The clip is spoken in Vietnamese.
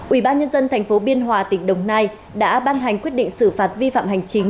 ủy ban nhân dân tp biên hòa tỉnh đồng nai đã ban hành quyết định xử phạt vi phạm hành chính